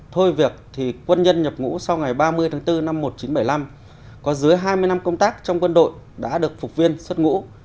thôi việc thì quân nhân nhập ngũ sau ngày ba mươi tháng bốn năm một nghìn chín trăm bảy mươi năm có dưới hai mươi năm công tác trong quân đội đã được phục viên xuất ngũ